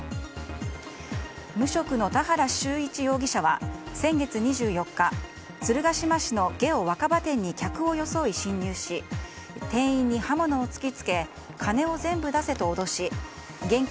無職の田原秀一容疑者は先月２４日鶴ヶ島市のゲオ若葉店に客を装い侵入し店員に刃物を突き付け金を全部出せと脅し現金